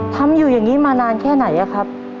ทำอยู่อย่างนี้มานานแค่ไหนอะครับ